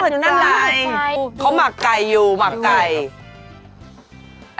เขามักไก่อยู่หมักไก่